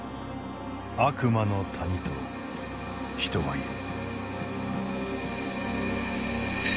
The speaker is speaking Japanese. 悪魔の谷と人は言う。